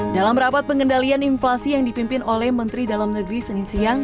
dalam rapat pengendalian inflasi yang dipimpin oleh menteri dalam negeri senin siang